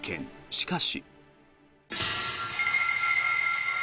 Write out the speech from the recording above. しかし。